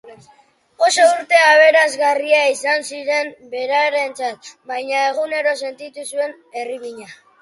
Oso urte aberasgarriak izan ziren berarentzat, baina egunero sentitu zuen herrimina.